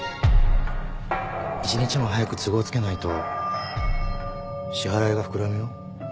１日も早く都合つけないと支払いが膨らむよ。